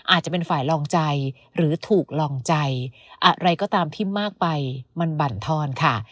อาจจะเป็นฝ่ายลองใจหรือถูกลองใจอะไรก็ตามที่มากไปมันบั่นทอนค่ะ